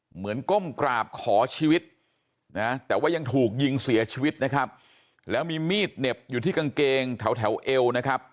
ก้มกราบขอชีวิตนะแต่ว่ายังถูกยิงเสียชีวิตนะครับแล้วมีมีดเหน็บอยู่ที่กางเกงแถวแถวเอวนะครับ